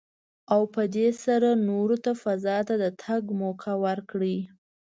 او په دې سره نورو ته فضا ته د تګ موکه ورکړي.